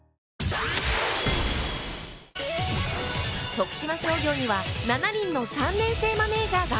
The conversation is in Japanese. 徳島商業には７人の３年生マネージャーが。